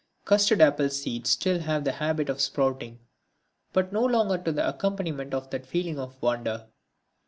Custard apple seeds still have the habit of sprouting, but no longer to the accompaniment of that feeling of wonder.